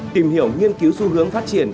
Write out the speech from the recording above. tìm hiểu nghiên cứu xu hướng phát triển